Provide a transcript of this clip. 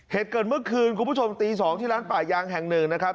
เหตุเกิดเมื่อคืนคุณผู้ชมตี๒ที่ร้านป่ายางแห่งหนึ่งนะครับ